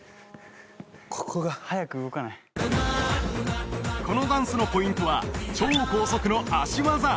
ここが早く動かないこのダンスのポイントは超高速の足技